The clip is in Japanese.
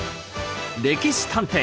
「歴史探偵」